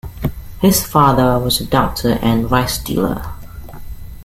His father was a doctor and rice dealer.